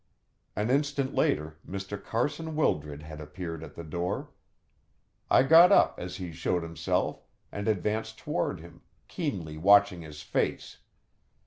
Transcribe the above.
An instant later Mr. Carson Wildred had appeared at the door. I got up as he showed himself, and advanced towards him, keenly watching his face.